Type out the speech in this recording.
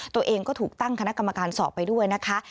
ตัวเองก็ถูกตั้งคณะกรรมการสอบไปด้วยนะคะ